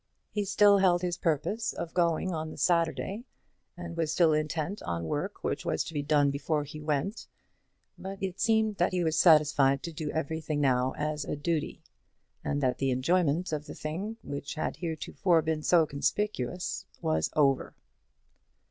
He still held his purpose of going on the Saturday, and was still intent on work which was to be done before he went; but it seemed that he was satisfied to do everything now as a duty, and that the enjoyment of the thing, which had heretofore been so conspicuous, was over.